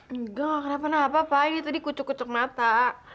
engga gak kenapa kenapa pak ini tadi kucuk kucuk mata